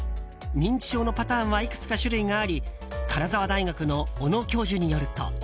認知症のパターンはいくつか種類があり金沢大学の小野教授によると。